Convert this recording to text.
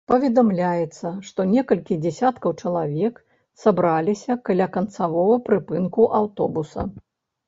Паведамляецца, што некалькі дзясяткаў чалавек сабраліся каля канцавога прыпынку аўтобуса.